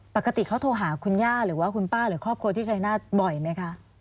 ปกติเขาโทรหาคุณย่าหรือว่าคุณป้าหรือครอบครัวที่ชายนาฏบ่อยไหมคะ